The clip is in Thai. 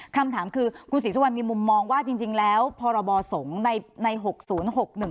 คำถามคือคุณศรีสุวันมีมุมมองมองว่าจริงจริงแล้วพรบอสงปีหกนี้